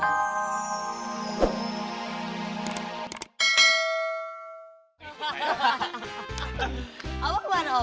apa kemana om